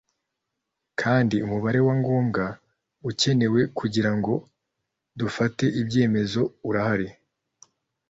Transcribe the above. kandi umubare wa ngombwa ukenewe kugira ngo dufate ibyemezo urahari